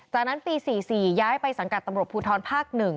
จากนั้นปี๔๔ย้ายไปสังกัดตำรวจภูทรภาค๑